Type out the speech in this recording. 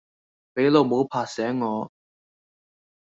俾老母拍醒我